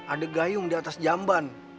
ada gayung di atas jamban